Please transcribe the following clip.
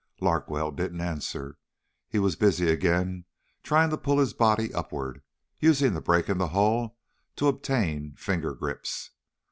Larkwell didn't answer. He was busy again trying to pull his body upward, using the break in the hull to obtain finger grips.